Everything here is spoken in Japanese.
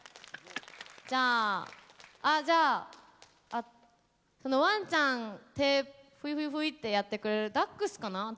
じゃああじゃあそのワンちゃん手フイフイフイッてやってくれるダックスかな？